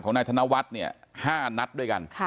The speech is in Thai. นายธนวัฒน์เนี่ย๕นัดด้วยกัน